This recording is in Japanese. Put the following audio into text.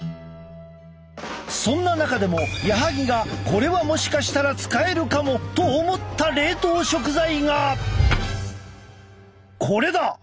そんな中でも矢萩がこれはもしかしたら使えるかもと思った冷凍食材がこれだ！